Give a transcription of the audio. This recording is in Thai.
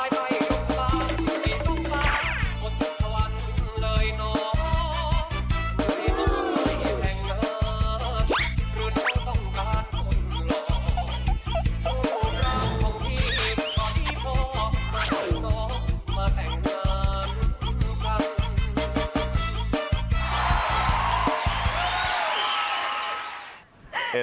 ทุกคนรักทุกรักของพี่พอที่พอทุกคนรักมาแผ่งหน้าด้วยคุณกัน